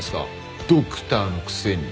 ドクターのくせに。